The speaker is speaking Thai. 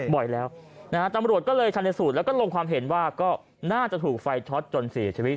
บ่อยแล้วนะฮะตำรวจก็เลยชันสูตรแล้วก็ลงความเห็นว่าก็น่าจะถูกไฟช็อตจนเสียชีวิต